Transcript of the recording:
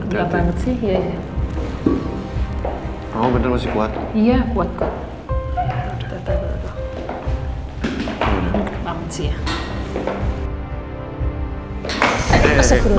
kok ketat banget sih iya iya